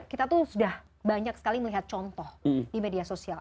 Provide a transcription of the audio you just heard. kita tuh sudah banyak sekali melihat contoh di media sosial